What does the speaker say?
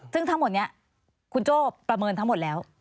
ซึ่งทั้งหมดนี้คุณโจ้ประเมินทั้งหมดแล้ว